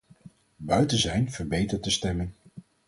Buiten zijn verbetert de stemming